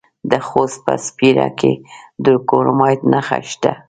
د خوست په سپیره کې د کرومایټ نښې شته.